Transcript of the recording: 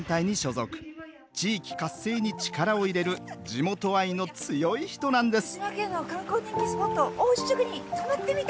地域活性に力を入れる地元愛の強い人なんです